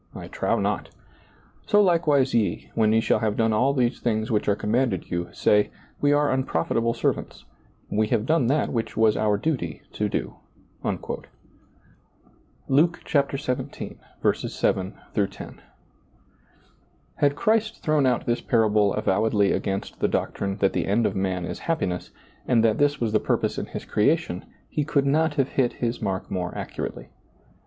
I trow not. " So likewise ye, when ye shall have done all those things which are commanded you, say, We are anprolilable servants : we have done that which was out duty to do." — LuKEivii ; 7 10, Had Christ thrown out this parable avowedly against the doctrine that the end of man is happiness, and that this was the purpose in his creation. He could not have hit His mark more accurately.